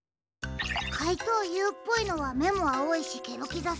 かいとうＵっぽいのはめもあおいしケロキザ